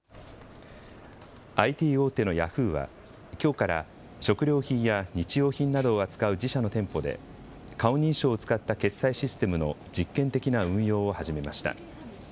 ＩＴ大手のヤフーは、きょうから、食料品や日用品などを扱う自社の店舗で、顔認証を使った決済システムの実験的な運用を始めました。